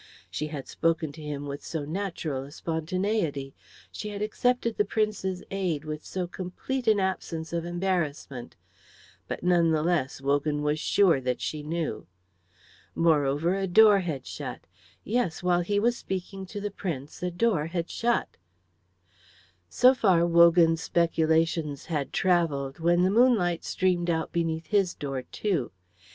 She had spoken to him with so natural a spontaneity, she had accepted the Prince's aid with so complete an absence of embarrassment; but none the less Wogan was sure that she knew. Moreover, a door had shut yes, while he was speaking to the Prince a door had shut. So far Wogan's speculations had travelled when the moonlight streamed out beneath his door too.